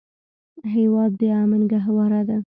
هېواد د امن ګهواره ده.